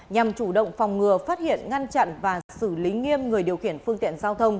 nhằm chủ động phòng ngừa phát hiện ngăn chặn và xử lý nghiêm người điều khiển phương tiện giao thông